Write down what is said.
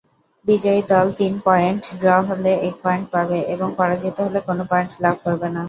বিজয়ী দল তিন পয়েন্ট, ড্র হলে এক পয়েন্ট পাবে এবং পরাজিত হলে কোন পয়েন্ট লাভ করবে না।